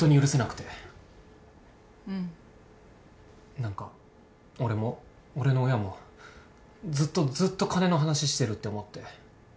何か俺も俺の親もずっとずっと金の話してるって思って。